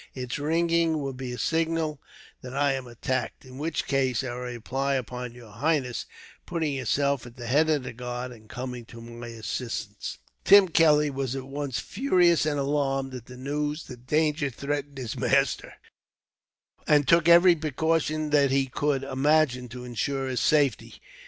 Its ringing will be a signal that I am attacked, in which case I rely upon your highness putting yourself at the head of the guard, and coming to my assistance." Tim Kelly was at once furious and alarmed, at the news that danger threatened his master, and took every precaution that he could imagine to ensure his safety.